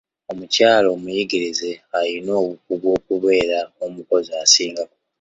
Omukyala omuyigirize ayina obukugu okubeera omukozi asingako.